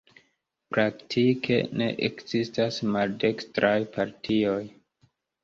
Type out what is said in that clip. Praktike ne ekzistas maldekstraj partioj.